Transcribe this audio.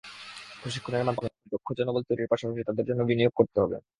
প্রশিক্ষণের মাধ্যমে দক্ষ জনবল তৈরির পাশাপাশি তাঁদের জন্য বিনিয়োগ করতে হবে।